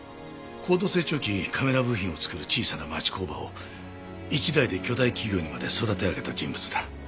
高度成長期カメラ部品を作る小さな町工場を一代で巨大企業にまで育て上げた人物だ。